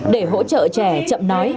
để hỗ trợ trẻ chậm nói